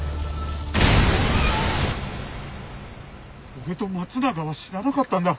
俺と松永は知らなかったんだ。